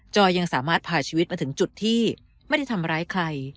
อยยังสามารถผ่าชีวิตมาถึงจุดที่ไม่ได้ทำร้ายใคร